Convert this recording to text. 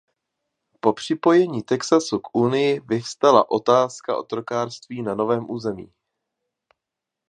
Po připojení Texasu k Unii vyvstala otázka otrokářství na novém území.